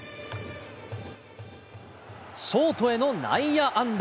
ショートへの内野安打。